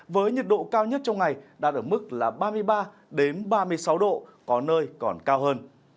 với nhiệt độ cao nhất trong ngày đạt ở mức ba mươi ba ba mươi sáu độ có nơi còn cao hơn